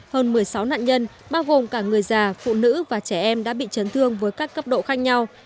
hơn một mươi sáu nạn nhân bao gồm cả người già phụ nữ và trẻ em đã bị chấn thương với các cấp độ khác nhau